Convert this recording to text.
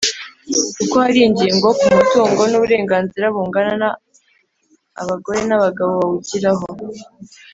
kuko hari ingingo ku mutungo n’uburenganzira bungana abagore n’abagabo bawugiraho.